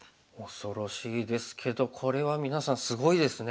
恐ろしいですけどこれは皆さんすごいですね。